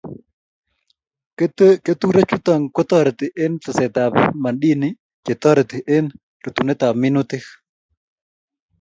Keturek chutok ko tareti eng' teset ab madini che tareti eng' rutunet ab minutik